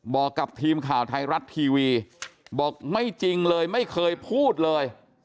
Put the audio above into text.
บอกกับทีมข่าวไทยรัฐทีวีบอกไม่จริงเลยไม่เคยพูดเลย